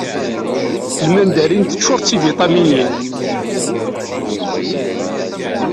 Lmandarin teččuṛ d tibiṭaminin.